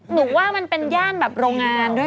หนูว่ามันเป็นย่านแบบโรงงานด้วย